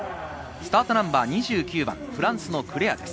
スタートナンバー２９番、フランスのクレアです。